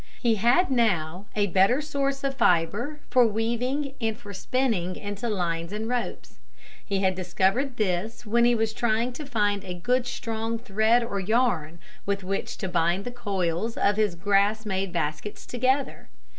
He had now a better source of fibre for weaving and for spinning into lines and ropes. He had discovered this when he was trying to find a good strong thread or yarn with which to bind the coils of his grass made baskets together.